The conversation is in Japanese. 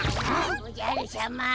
おじゃるしゃま。